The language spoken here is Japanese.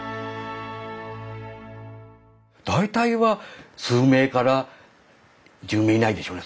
大体は数名から１０名以内でしょうね。